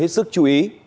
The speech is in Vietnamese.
cần hết sức chú ý